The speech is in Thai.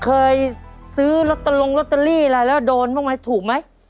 เคยซื้อรถลงโรเตอรี่แล้วโดนไหมถูกไหม